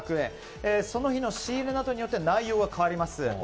その日の仕入れなどによって内容は変わります。